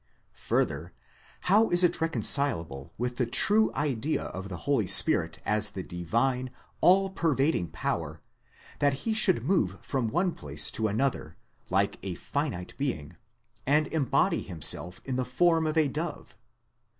Further, how is it reconcilable with the true idea of the Holy Spirit as the divine, all pervading Power, that he should move from one place to another, like a finite being, and embody himself in the form of a dove?